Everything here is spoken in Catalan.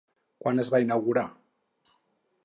Quan es va inaugurar?